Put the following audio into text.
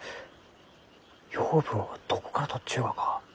養分はどこからとっちゅうがか？